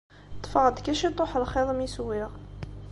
Ṭṭfeɣ-d kan ciṭuḥ n lxiḍ mi swiɣ.